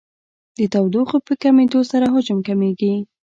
د تودوخې په کمېدو سره حجم کمیږي.